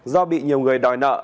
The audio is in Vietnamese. do bị nhiều người đòi nợ